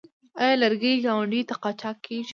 آیا لرګي ګاونډیو ته قاچاق کیږي؟